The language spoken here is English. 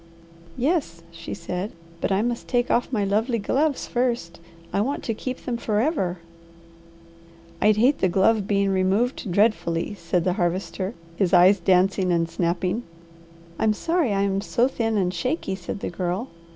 "Yes," she said. "But I must take off my lovely gloves first. I want to keep them forever." "I'd hate the glove being removed dreadfully," said the Harvester, his eyes dancing and snapping. "I'm sorry I am so thin and shaky," said the Girl.